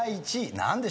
何でしょう？